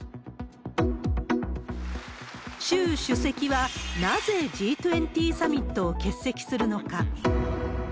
習主席はなぜＧ２０サミットを欠席するのか。